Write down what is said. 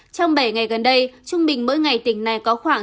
trong bảy ngày gần đây trung bình mỗi ngày tỉnh này có khoảng